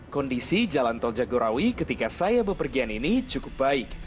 kondisi jalan tol jagorawi ketika saya berpergian ini cukup baik